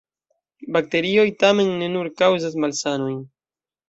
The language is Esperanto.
Bakterioj tamen ne nur kaŭzas malsanojn.